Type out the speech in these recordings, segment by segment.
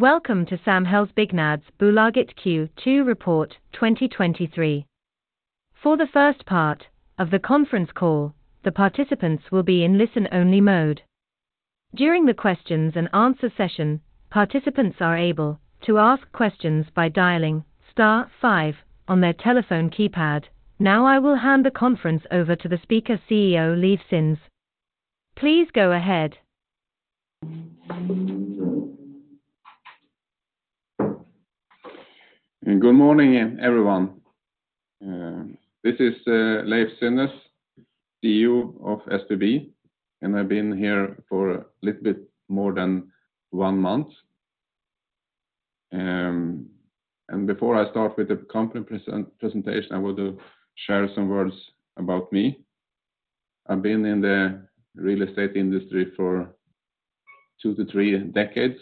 Welcome to Samhällsbyggnadsbolaget Q2 report 2023. For the first part of the conference call, the participants will be in listen-only mode. During the questions and answer session, participants are able to ask questions by dialing star five on their telephone keypad. Now, I will hand the conference over to the speaker, CEO, Leiv Synnes. Please go ahead. Good morning, everyone. This is Leiv Synnes, CEO of SBB. I've been here for a little bit more than 1 month. Before I start with the company presentation, I want to share some words about me. I've been in the real estate industry for two to three decades,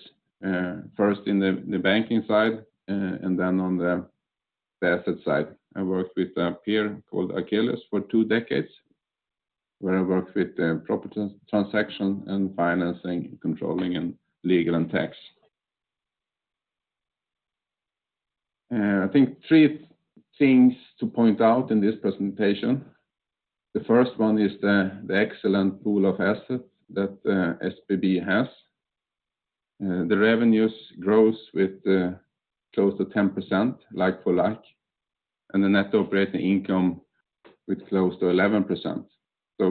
first in the banking side, and then on the asset side. I worked with a peer called Akelius for two decades, where I worked with the property transaction and financing, controlling, and legal, and tax. I think three things to point out in this presentation. The first one is the excellent pool of assets that SBB has. The revenues grows with close to 10%, like-for-like, and the net operating income with close to 11%.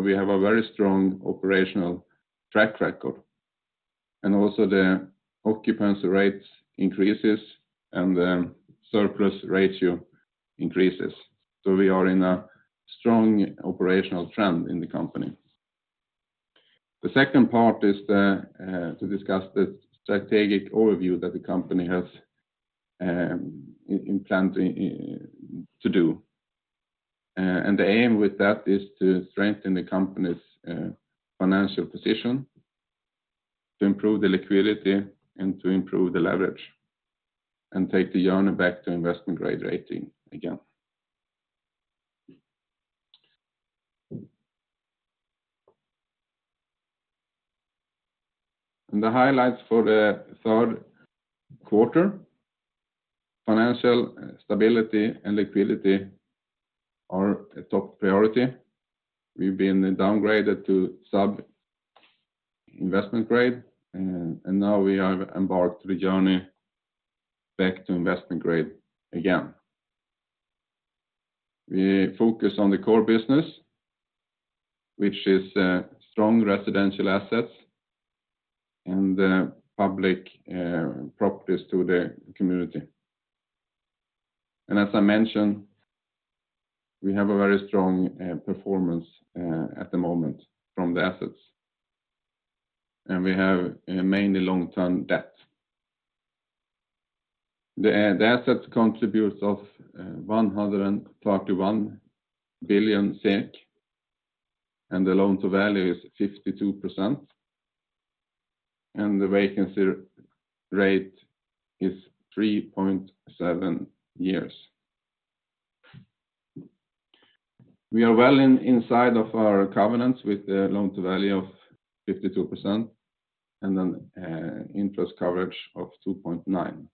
We have a very strong operational track record, and also the occupancy rates increases, and the surplus ratio increases. We are in a strong operational trend in the company. The second part is the to discuss the strategic overview that the company has in plan to do. The aim with that is to strengthen the company's financial position, to improve the liquidity, and to improve the leverage, and take the journey back to investment-grade rating again. The highlights for the third quarter. Financial stability and liquidity are a top priority. We've been downgraded to sub-investment grade, and now we have embarked on the journey back to investment-grade again. We focus on the core business, which is strong residential assets and public properties to the community. As I mentioned, we have a very strong performance at the moment from the assets, and we have a mainly long-term debt. The assets contributes of 131 billion SEK, and the loan to value is 52%, and the vacancy rate is 3.7 years. We are well inside of our covenants with the loan to value of 52%, interest coverage of 2.9.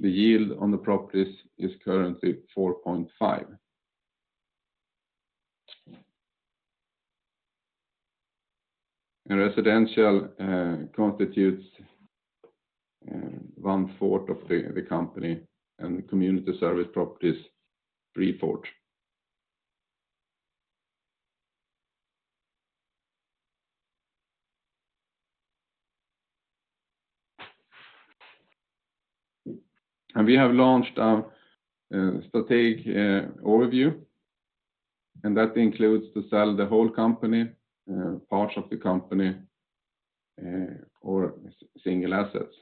The yield on the properties is currently 4.5%. Residential constitutes 1/4 of the company and the community service properties, 3/4. We have launched our strategic overview, and that includes to sell the whole company, parts of the company, or single assets.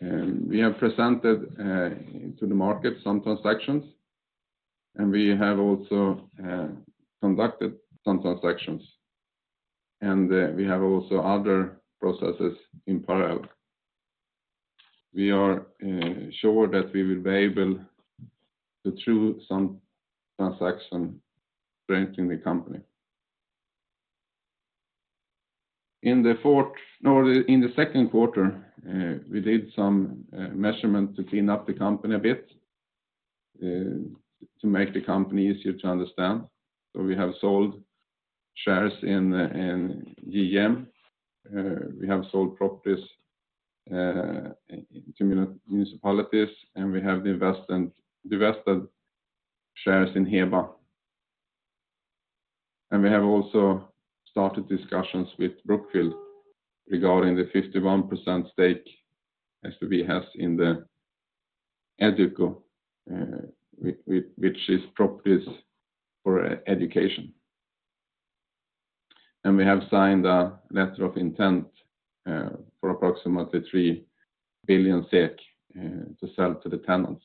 We have presented to the market some transactions, and we have also conducted some transactions, and we have also other processes in parallel. We are sure that we will be able to do some transaction strengthening the company. In the second quarter, we did some measurement to clean up the company a bit to make the company easier to understand. We have sold shares in GM. We have sold properties in municipalities, and we have divested shares in Heba. We have also started discussions with Brookfield regarding the 51% stake SBB has in the EduCo, which is properties for education. We have signed a letter of intent for approximately 3 billion SEK to sell to the tenants.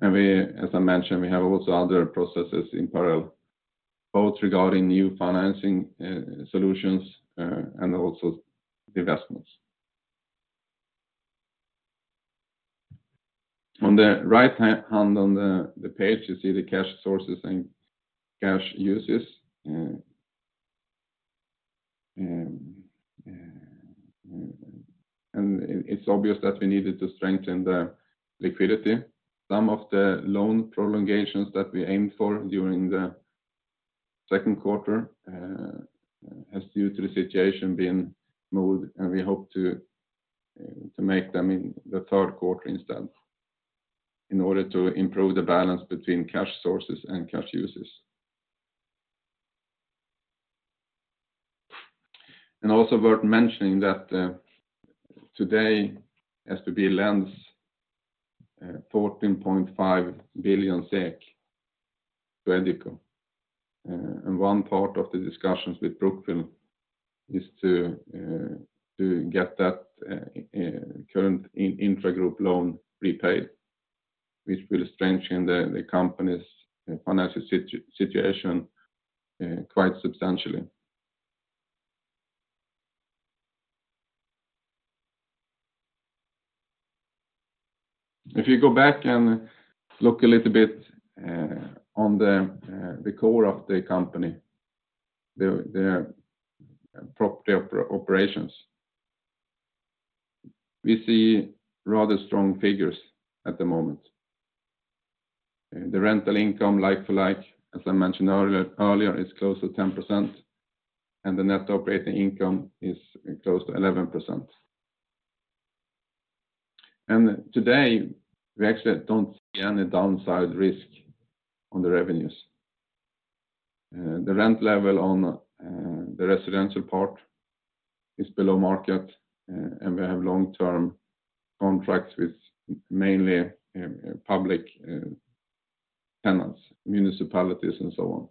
We, as I mentioned, we have also other processes in parallel, both regarding new financing solutions and also investments. On the right hand on the page, you see the cash sources and cash uses. It's obvious that we needed to strengthen the liquidity. Some of the loan prolongations that we aimed for during the second quarter has due to the situation being moved, and we hope to make them in the third quarter instead, in order to improve the balance between cash sources and cash uses. Also worth mentioning that today, SBB lends SEK 14.5 billion to EduCo. One part of the discussions with Brookfield is to get that current intragroup loan prepaid, which will strengthen the company's financial situation quite substantially. If you go back and look a little bit on the core of the company, the property operations, we see rather strong figures at the moment. The rental income, like-for-like, as I mentioned earlier, is close to 10%, and the net operating income is close to 11%. Today, we actually don't see any downside risk on the revenues. The rent level on the residential part is below market, and we have long-term contracts with mainly public tenants, municipalities, and so on.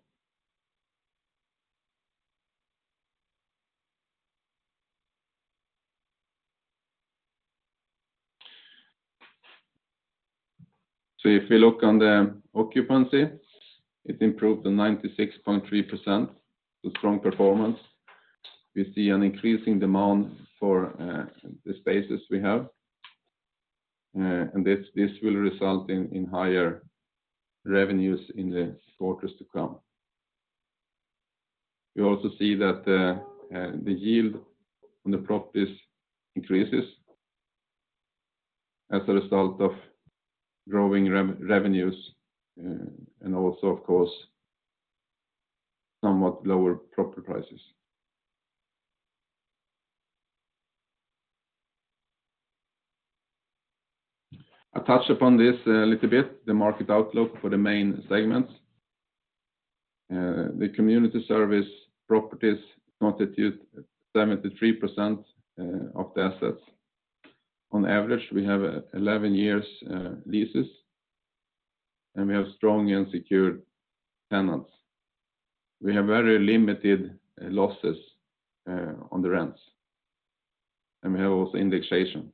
If we look on the occupancy, it improved to 96.3%, a strong performance. We see an increasing demand for the spaces we have, and this will result in higher revenues in the quarters to come. We also see that the yield on the properties increases as a result of growing revenues and also, of course, somewhat lower property prices. I touched upon this a little bit, the market outlook for the main segments. The community service properties constitute 73% of the assets. On average, we have 11 years leases, and we have strong and secure tenants. We have very limited losses on the rents, and we have also indexation.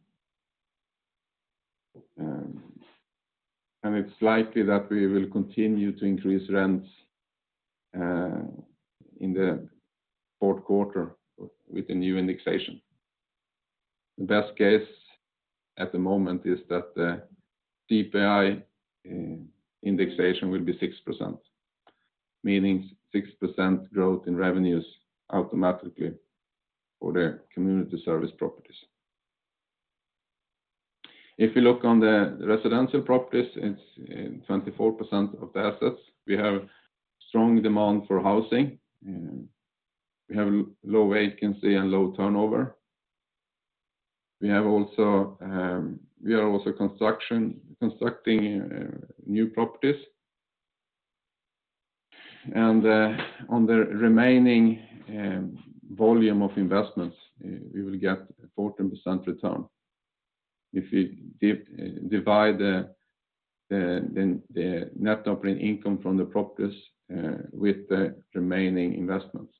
And it's likely that we will continue to increase rents in the fourth quarter with the new indexation. The best case, at the moment, is that the CPI indexation will be 6%, meaning 6% growth in revenues automatically for the community service properties. If you look on the residential properties, it's 24% of the assets. We have strong demand for housing, we have low vacancy and low turnover. We have also, we are also constructing new properties. On the remaining volume of investments, we will get a 14% return. If we divide the net operating income from the properties with the remaining investments.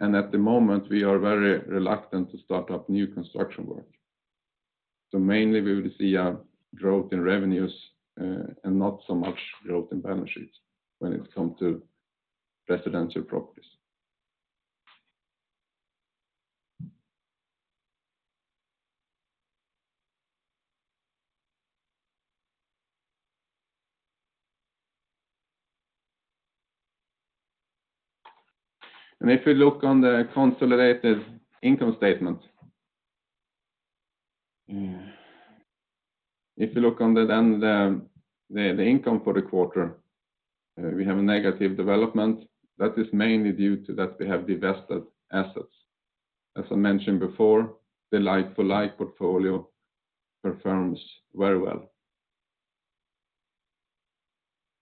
At the moment, we are very reluctant to start up new construction work. Mainly, we will see a growth in revenues, and not so much growth in balance sheets when it come to residential properties. If we look on the consolidated income statement, if you look on the income for the quarter, we have a negative development. That is mainly due to that we have divested assets. As I mentioned before, the like-for-like portfolio performs very well.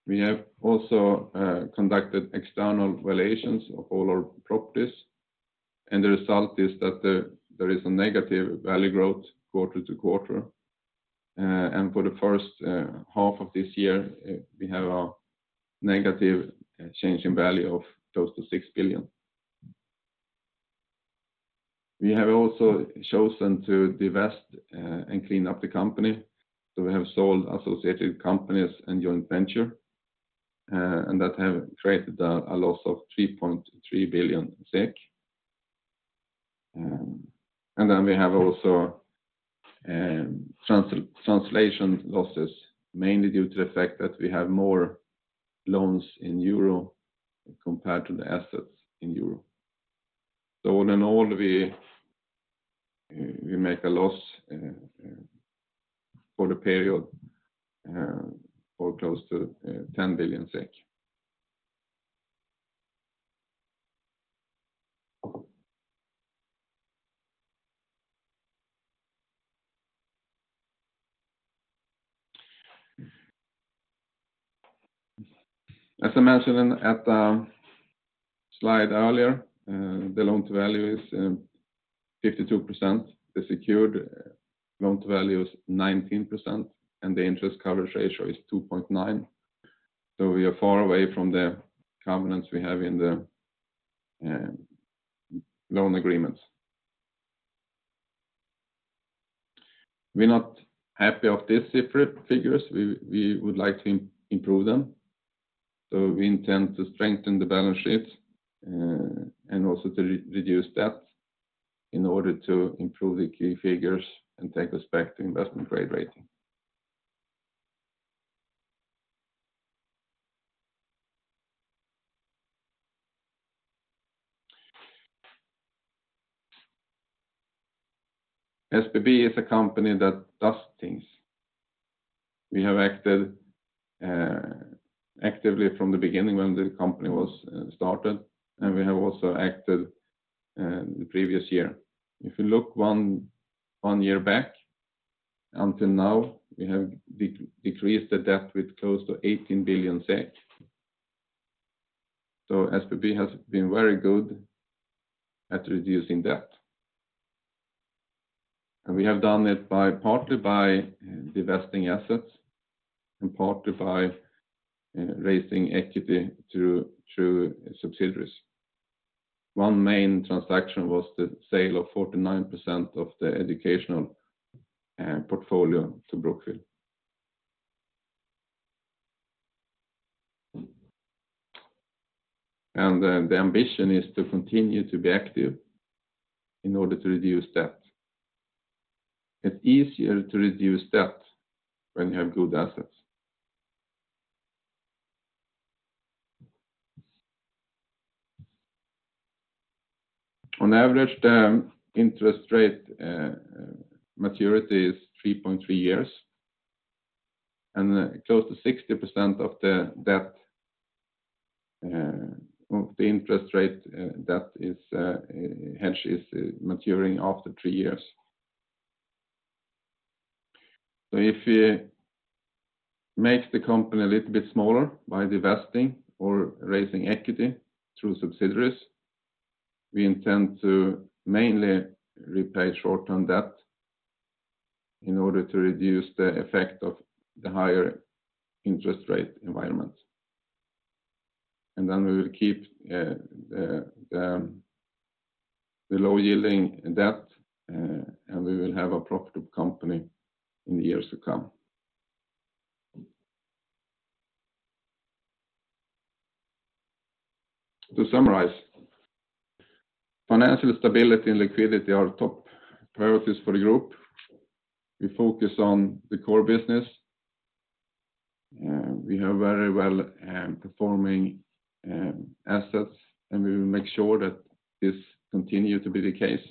We have also conducted external valuations of all our properties, and the result is that there is a negative value growth quarter to quarter. For the first half of this year, we have a negative change in value of close to 6 billion. We have also chosen to divest and clean up the company, so we have sold associated companies and joint venture, and that have created a loss of 3.3 billion SEK. We have also translation losses, mainly due to the fact that we have more loans in euro compared to the assets in euro. All in all, we make a loss for the period for close to SEK 10 billion. As I mentioned in the slide earlier, the loan to value is 52%. The secured loan-to-value is 19%, and the interest coverage ratio is 2.9. We are far away from the covenants we have in the loan agreements. We're not happy of these figures. We would like to improve them. We intend to strengthen the balance sheet and also to reduce debt in order to improve the key figures and take us back to investment-grade rating. SBB is a company that does things. We have acted actively from the beginning when the company was started, and we have also acted the previous year. If you look one year back until now, we have decreased the debt with close to 18 billion SEK. SBB has been very good at reducing debt. We have done it by, partly by divesting assets, and partly by raising equity through subsidiaries. One main transaction was the sale of 49% of the educational portfolio to Brookfield. The ambition is to continue to be active in order to reduce debt. It's easier to reduce debt when you have good assets. On average, the interest rate maturity is 3.3 years, and close to 60% of the debt, of the interest rate debt is hedged, is maturing after three years. If we make the company a little bit smaller by divesting or raising equity through subsidiaries, we intend to mainly repay short-term debt in order to reduce the effect of the higher interest rate environment. We will keep the low-yielding debt, and we will have a profitable company in the years to come. To summarize, financial stability and liquidity are top priorities for the group. We focus on the core business. We have very well performing assets, and we will make sure that this continue to be the case.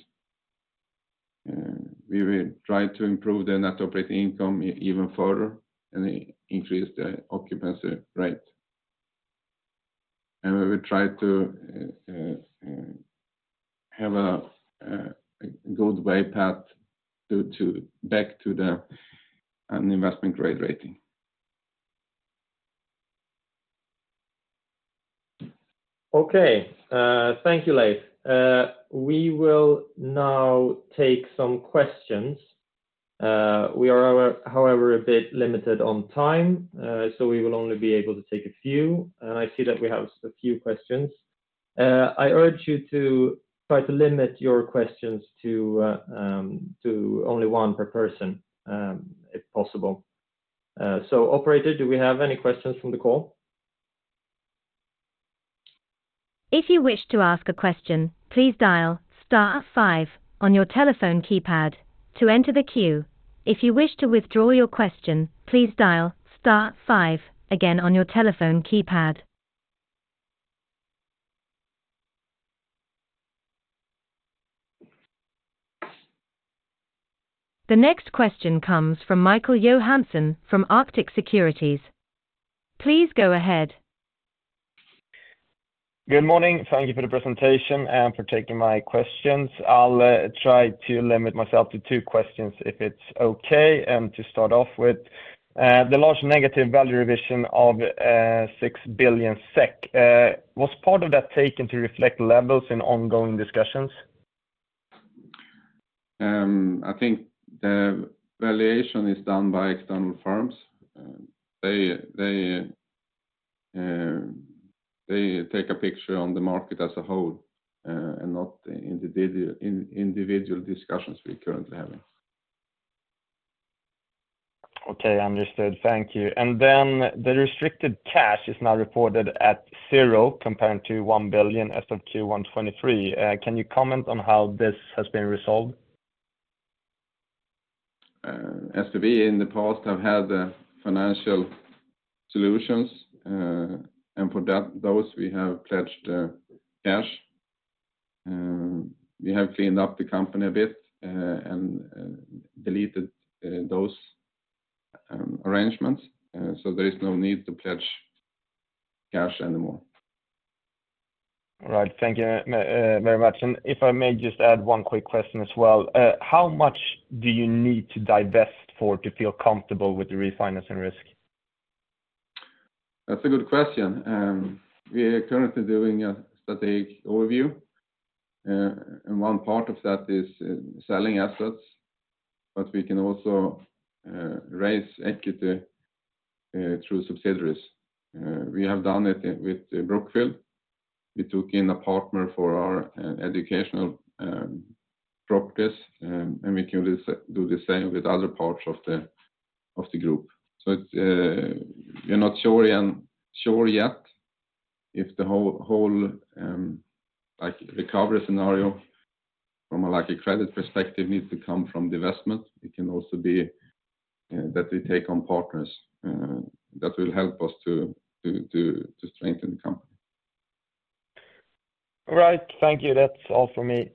We will try to improve the net operating income even further and increase the occupancy rate. We will try to have a good way path to back to the investment-grade rating. Okay, thank you, Leiv. We will now take some questions. We are, however, a bit limited on time, so we will only be able to take a few. I see that we have a few questions. I urge you to try to limit your questions to only one per person, if possible. Operator, do we have any questions from the call? If you wish to ask a question, please dial star five on your telephone keypad to enter the queue. If you wish to withdraw your question, please dial star five again on your telephone keypad. The next question comes from Michael Johansson from Arctic Securities. Please go ahead. Good morning. Thank you for the presentation and for taking my questions. I'll try to limit myself to two questions, if it's okay. To start off with, the large negative value revision of 6 billion SEK, was part of that taken to reflect levels in ongoing discussions? I think the valuation is done by external firms. They take a picture on the market as a whole, and not in individual discussions we're currently having. Okay, understood. Thank you. The restricted cash is now reported at zero, compared to 1 billion as of Q1 2023. Can you comment on how this has been resolved? As to be in the past, I've had the financial solutions, and for those, we have pledged cash. We have cleaned up the company a bit and deleted those arrangements, so there is no need to pledge cash anymore. All right. Thank you, very much. If I may just add one quick question as well. How much do you need to divest for to feel comfortable with the refinancing risk? That's a good question. We are currently doing a strategic overview, and one part of that is selling assets, but we can also raise equity through subsidiaries. We have done it with Brookfield. We took in a partner for our educational properties, and we can do the same with other parts of the group. It's we are not sure yet if the whole recovery scenario from a likely credit perspective, needs to come from divestment. It can also be that we take on partners that will help us to strengthen the company. All right. Thank you. That's all for me.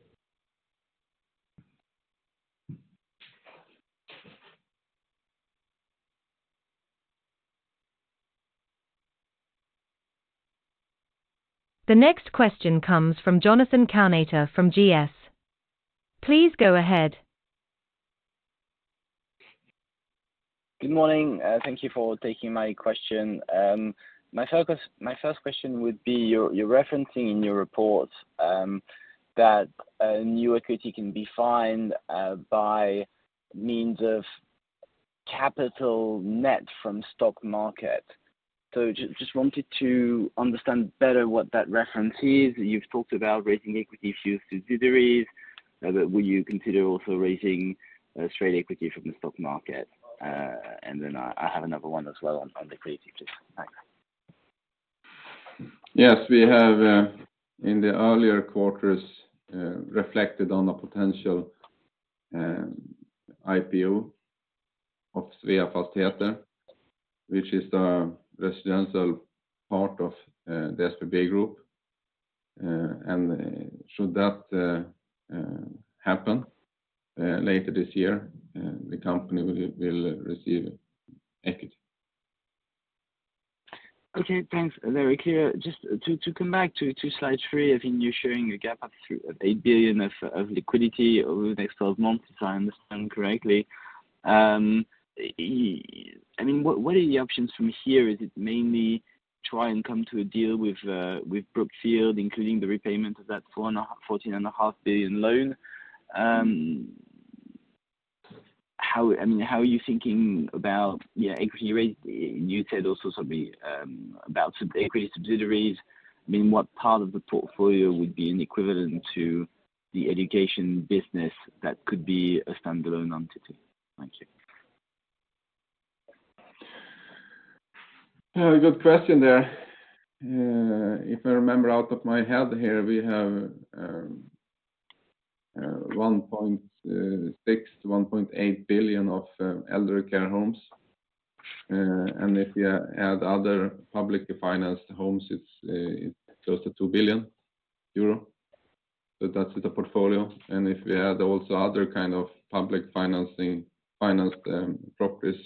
The next question comes from Jonathan Kownator from GS. Please go ahead. Good morning, thank you for taking my question. My first question would be, you're referencing in your report that a new equity can be found by means of capital net from stock market. Just wanted to understand better what that reference is. You've talked about raising equity issues to subsidiaries. Will you consider also raising straight equity from the stock market? I have another one as well on the creative. Thanks. Yes, we have in the earlier quarters, reflected on the potential IPO of Sveafastigheter, which is the residential part of the SBB group. Should that happen later this year, the company will receive equity. Okay. Thanks. Very clear. Just to come back to slide three, I think you're showing a gap up to 8 billion of liquidity over the next 12 months, if I understand correctly. What are the options from here? Is it mainly try and come to a deal with Brookfield, including the repayment of that 14.5 billion loan? I mean, how are you thinking about equity rate? You said also something about equity subsidiaries. What part of the portfolio would be an equivalent to the education business that could be a standalone entity? Thank you. A good question there. If I remember out of my head here, we have 1.6 billion-1.8 billion of elder care homes. If you add other publicly financed homes, it's close to 2 billion euro. That's the portfolio. If we add also other kind of public financing, financed properties,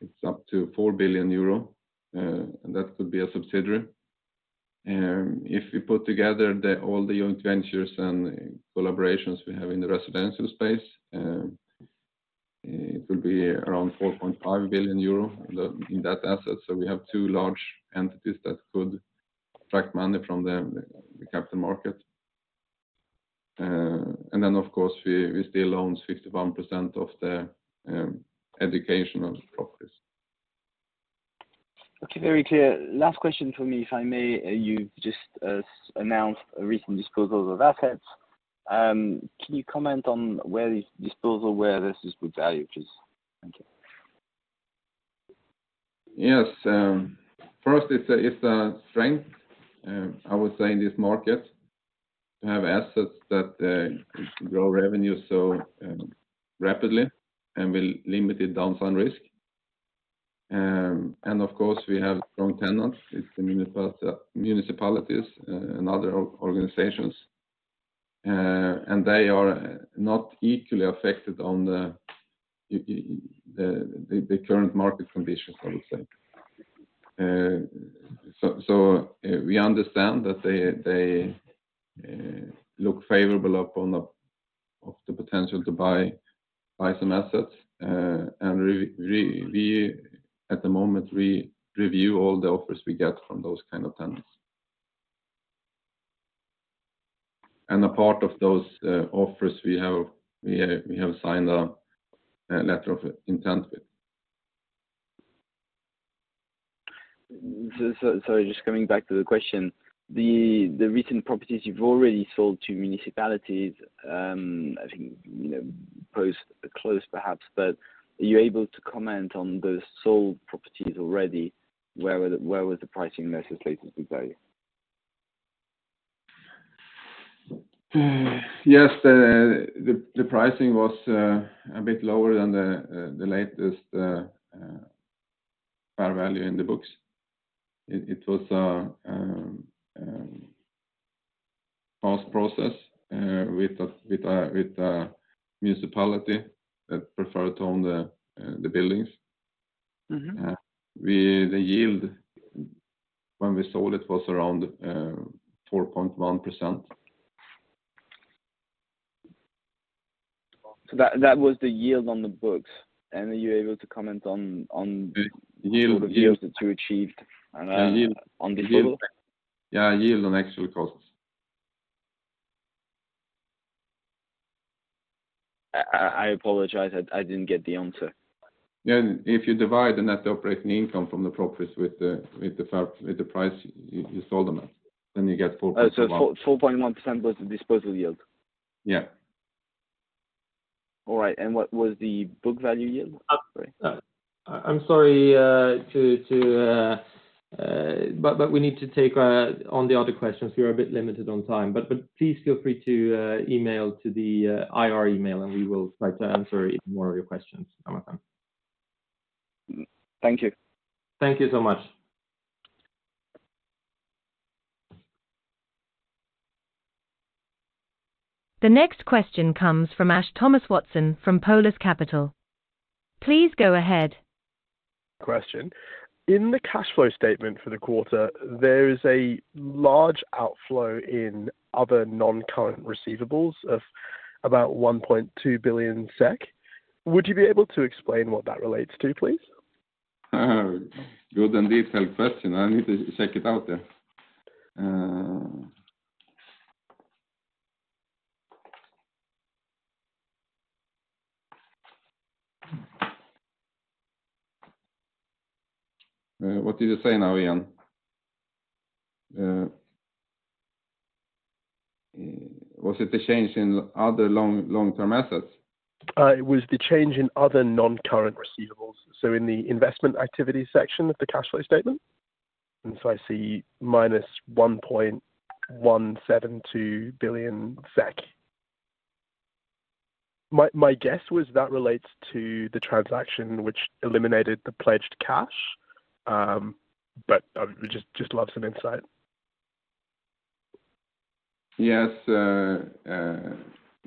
it's up to 4 billion euro, and that could be a subsidiary. If we put together the, all the young ventures and collaborations we have in the residential space, it would be around 4.5 billion euro in the, in that asset. We have two large entities that could attract money from the capital market. Then, of course, we still own 51% of the educational properties. Okay, very clear. Last question for me, if I may. You've just announced a recent disposal of assets. Can you comment on where this is good value? Please. Thank you. Yes. First, it's a strength, I would say, in this market, to have assets that grow revenue so rapidly and will limited downside risk. Of course, we have strong tenants. It's the municipalities and other organizations. They are not equally affected on the current market conditions, I would say. We understand that they look favorable upon the potential to buy some assets. We at the moment, we review all the offers we get from those kind of tenants. A part of those offers we have signed a letter of intent with. Sorry, just coming back to the question. The recent properties you've already sold to municipalities, I think, you know, post close perhaps, but are you able to comment on those sold properties already? Where was the pricing versus latest value? Yes, the pricing was a bit lower than the latest fair value in the books. It was fast process with the municipality that preferred to own the buildings. Mm-hmm. The yield when we sold it was around 4.1%. That was the yield on the books. Are you able to comment on? Yield. that you achieved, on the table? Yeah, yield on actual costs. I apologize. I didn't get the answer. Yeah. If you divide the net operating income from the properties with the price, you sold them at, then you get 4.1%. 4.1% was the disposal yield? Yeah. All right. What was the book value yield? Sorry. We need to take on the other questions. We are a bit limited on time, but please feel free to email to the IR email, and we will start to answer more of your questions. Thank you. Thank you so much. The next question comes from Ash Thomas-Watson from Polus Capital. Please go ahead. Question. In the cash flow statement for the quarter, there is a large outflow in other non-current receivables of about 1.2 billion SEK. Would you be able to explain what that relates to, please? Good and detailed question. I need to check it out there. What did you say now, Ian? Was it the change in other long-term assets? It was the change in other non-current receivables, so in the investment activity section of the cash flow statement. I see -SEK 1.172 billion. My guess was that relates to the transaction which eliminated the pledged cash, but we just love some insight. Yes.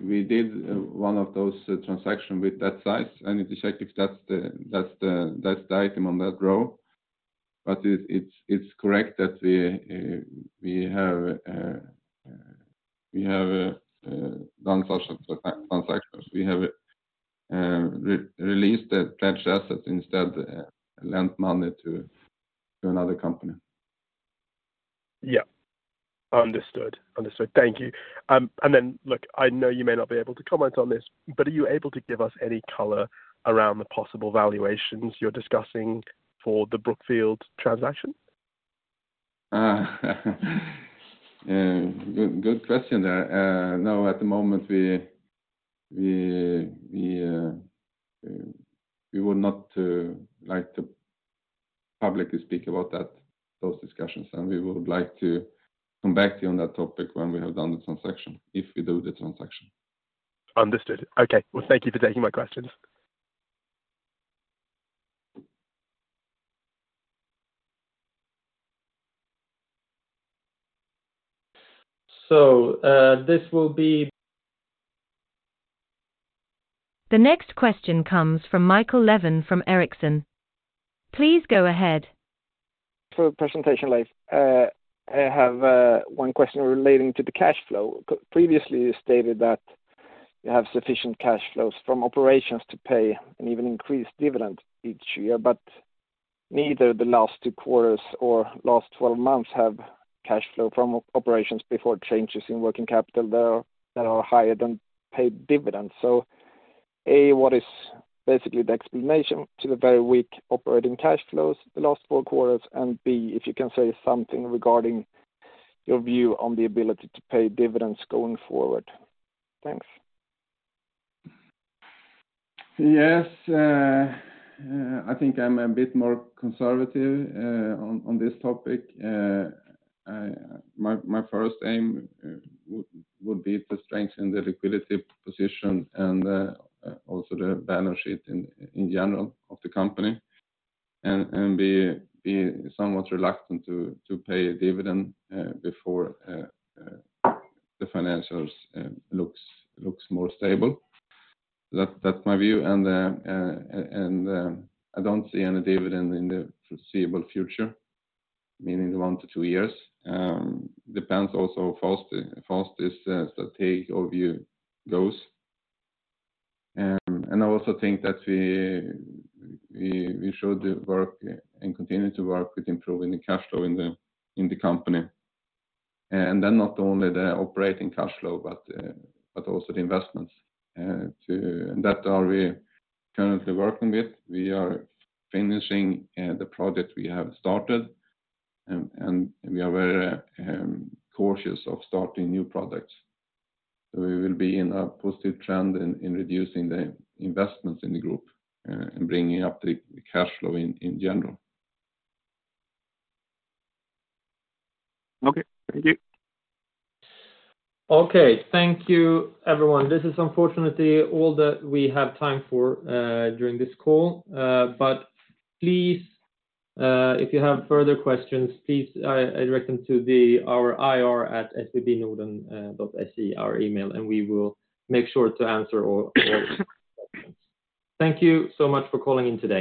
We did one of those transactions with that size, and it is active. That's the item on that row. But it's correct that we have done such transactions. We have re-released the pledged assets instead, lent money to another company Yeah. Understood. Understood. Thank you. Look, I know you may not be able to comment on this, but are you able to give us any color around the possible valuations you're discussing for the Brookfield transaction? Good question there. No, at the moment, we would not like to publicly speak about that, those discussions, and we would like to come back to you on that topic when we have done the transaction, if we do the transaction. Understood. Okay. Well, thank you for taking my questions. this will be- The next question comes from Michael Levin, from Ericsson. Please go ahead. For a presentation late. I have one question relating to the cash flow. Previously, you stated that you have sufficient cash flows from operations to pay and even increase dividend each year, but neither the last two quarters or last 12 months have cash flow from operations before changes in working capital that are higher than paid dividends. A, what is basically the explanation to the very weak operating cash flows the last four quarters? B, if you can say something regarding your view on the ability to pay dividends going forward. Thanks. Yes. I think I'm a bit more conservative on this topic. My first aim would be to strengthen the liquidity position and also the balance sheet in general of the company, and be somewhat reluctant to pay a dividend before the financials looks more stable. That's my view. I don't see any dividend in the foreseeable future, meaning one to two years. Depends also how fast this take overview goes. I also think that we should work and continue to work with improving the cash flow in the company. Not only the operating cash flow, but also the investments to... That are we currently working with. We are finishing the project we have started, and we are very cautious of starting new projects. We will be in a positive trend in reducing the investments in the group, and bringing up the cash flow in general. Okay. Thank you. Okay. Thank you, everyone. This is unfortunately all that we have time for during this call. Please, if you have further questions, please address them to our ir@sbbnorden.se, our email, and we will make sure to answer all your questions. Thank you so much for calling in today.